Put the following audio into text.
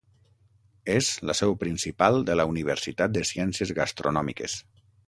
És la seu principal de la Universitat de Ciències Gastronòmiques.